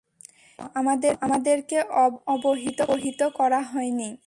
কেন আমাদেরকে অবহিত করা হয়নি?